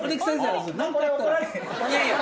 いやいや。